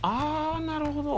なるほど。